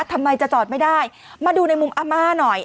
ทำไมจะจอดไม่ได้มาดูในมุมอาม่าหน่อย